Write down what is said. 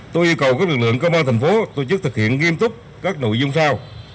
tôi yêu cầu các lực lượng công an thành phố tổ chức thực hiện nghiêm túc các nội dung sau